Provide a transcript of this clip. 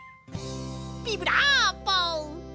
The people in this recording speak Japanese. ビブラーボ！